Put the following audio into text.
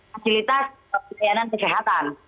fasilitas penyelidikan kesehatan